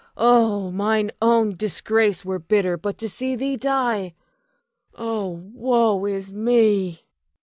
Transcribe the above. Oh, mine own disgrace were bitter, but to see thee die! Oh, woe is me!